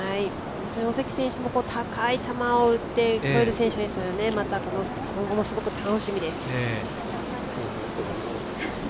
尾関選手も高い球を打って越える選手ですから今後もすごく楽しみです。